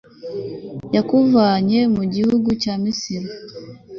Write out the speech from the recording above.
yakuvanye mu gihugu cya misiri